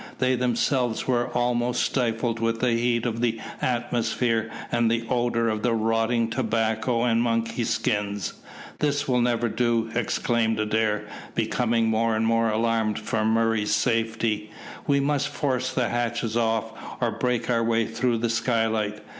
They themselves were almost stifled with the heat of the atmosphere and the odour of the rotting tobacco and monkey skins. "This will never do," exclaimed Adair, becoming more and more alarmed for Murray's safety. "We must force the hatches off, or break our way through the skylight."